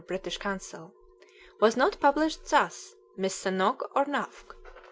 British Consul] was not published thus: Missa Nok or Nawk.